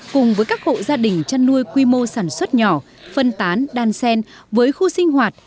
cùng với các hộ gia đình chăn nuôi quy mô sản xuất nhỏ phân tán đan sen với khu sinh hoạt